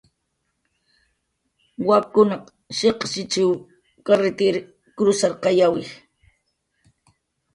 Wakkunaq shiq'shichw karritir krusarqayawi